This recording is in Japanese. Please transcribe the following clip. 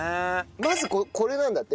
まずこれなんだって。